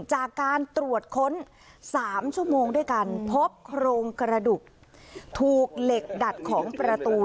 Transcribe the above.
จากการตรวจค้น๓ชั่วโมงด้วยกันพบโครงกระดูกถูกเหล็กดัดของประตู